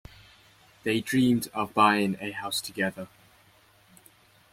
They dreamed of buying a house together.